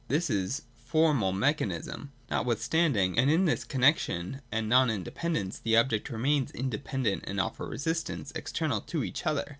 This is Formal Mechanism. — Notwithstanding, and in this con nexion and non independence, the objects remain inde pendent and offer resistance, external to each other.